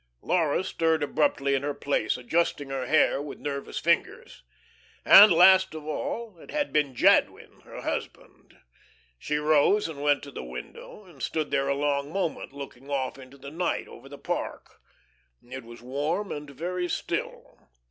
Laura stirred abruptly in her place, adjusting her hair with nervous fingers. And, last of all, it had been Jadwin, her husband. She rose and went to the window, and stood there a long moment, looking off into the night over the park. It was warm and very still.